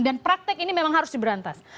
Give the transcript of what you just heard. dan praktek ini memang harus diberantas